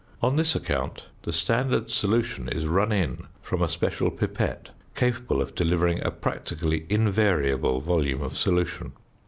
On this account the standard solution is run in from a special pipette capable of delivering a practically invariable volume of solution.